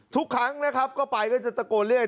ทุกครั้งนะครับก็ไปก็จะตะโกนเรียก